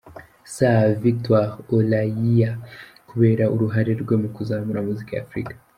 Sir Victor Olaiya, kubera uruhare rwe mu kuzamura muzika ya Africa.